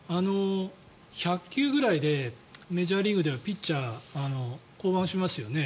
１００球ぐらいでメジャーリーグではピッチャー降板しますよね。